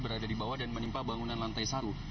berada di bawah dan menimpa bangunan lantai satu